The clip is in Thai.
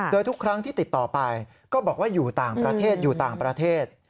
โดยทุกครั้งที่ติดต่อไปก็บอกว่าอยู่ต่างประเทศอยู่ต่างประเทศ